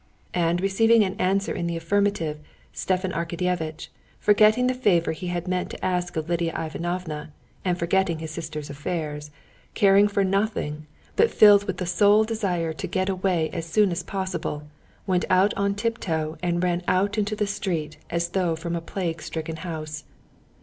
_" And receiving an answer in the affirmative, Stepan Arkadyevitch, forgetting the favor he had meant to ask of Lidia Ivanovna, and forgetting his sister's affairs, caring for nothing, but filled with the sole desire to get away as soon as possible, went out on tiptoe and ran out into the street as though from a plague stricken house.